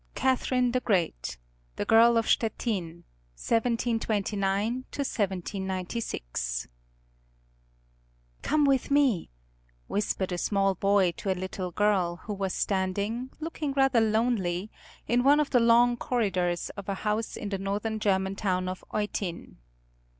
IX Catherine the Great The Girl of Stettin: 1729 1796 "Come with me," whispered a small boy to a little girl who was standing, looking rather lonely, in one of the long corridors of a house in the North German town of Eutin.